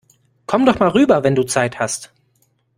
Komm doch mal rüber, wenn du Zeit hast!